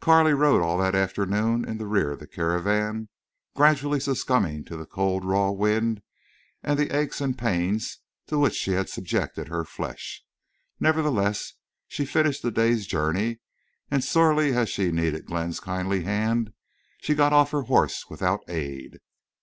Carley rode all that afternoon in the rear of the caravan, gradually succumbing to the cold raw wind and the aches and pains to which she had subjected her flesh. Nevertheless, she finished the day's journey, and, sorely as she needed Glenn's kindly hand, she got off her horse without aid.